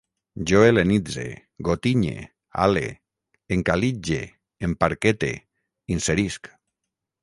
Jo hel·lenitze, gotinye, hale, encalitge, emparquete, inserisc